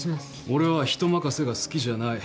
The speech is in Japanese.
俺は人任せが好きじゃない。